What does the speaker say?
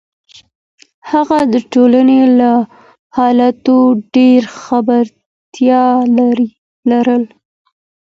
هغه د ټولنې له حالاتو ډیره خبرتیا لرله.